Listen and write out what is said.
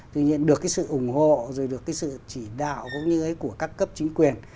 thì nhận được cái sự ủng hộ rồi được cái sự chỉ đạo cũng như ấy của các cấp chính quyền